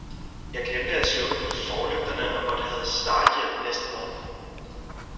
Jeg glemte at slukke forlygterne og måtte have starthjælp næste morgen.